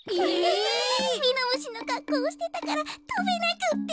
ミノムシのかっこうをしてたからとべなくって。